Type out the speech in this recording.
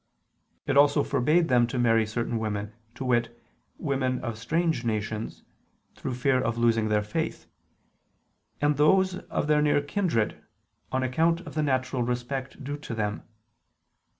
It also forbade them to marry certain women; to wit, women of strange nations, through fear of their losing their faith; and those of their near kindred, on account of the natural respect due to them.